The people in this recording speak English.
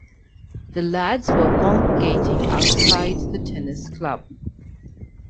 The lads were congregating outside the tennis club.